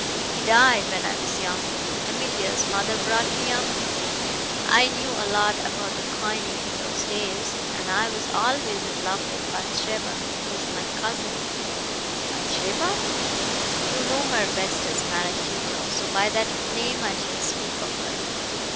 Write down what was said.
He died when I was young. Emilia's mother brought me up. I knew a lot about the coining in those days, and I was always in love with Bathsheba, who is my cousin " "Bathsheba?" "You know her best as Maraquito, so by that name I shall speak of her.